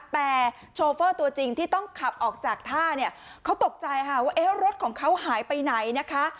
แต่โชเฟอร์ตัวจริงที่ต้องขับออกจากท่าเนี่ยเขาตกใจค่ะว่ารถของเขาหายไปไหนนะคะ